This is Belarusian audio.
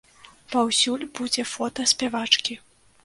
Паўсюль будзе фота спявачкі.